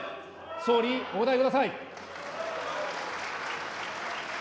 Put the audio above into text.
総理、お答えください。